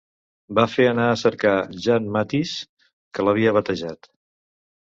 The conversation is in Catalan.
Va fer anar a cerca Jan Matthys, que l'havia batejat.